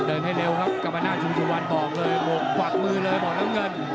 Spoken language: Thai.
ต้องเดินให้เร็วครับกัมมานาดชูชิวัลบอกเลยบวกมือเลยบอกน้ำเงิน